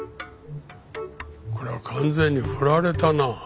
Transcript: これは完全にふられたな。